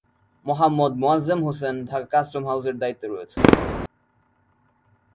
Mohammad Moazzem Hossain Dhaka custom হাউজের দায়িত্বে রয়েছেন।